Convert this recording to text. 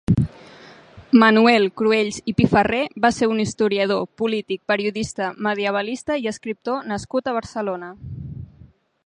Manuel Cruells i Pifarré va ser un historiador, polític, periodista, medievalista i escriptor nascut a Barcelona.